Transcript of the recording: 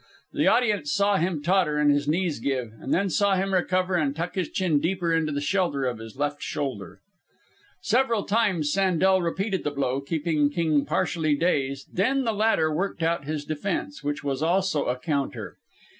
The audience saw him totter and his knees give, and then saw him recover and tuck his chin deeper into the shelter of his left shoulder. Several times Sandel repeated the blow, keeping King partially dazed, and then the latter worked out his defence, which was also a counter.